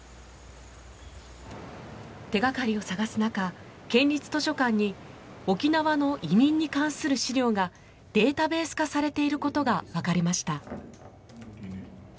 手がかりを探す中県立図書館に沖縄の移民に関する資料がデータベース化されていることがわかりました。